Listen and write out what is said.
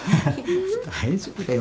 大丈夫だよ。